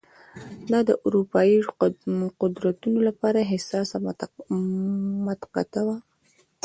دا د اروپايي قدرتونو لپاره حساسه مقطعه وه.